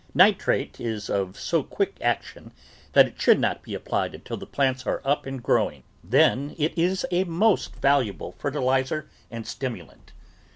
Nitrate is of so quick action that it should not be applied until the plants are up and growing; then it is a most valuable fertiliser and stimulant.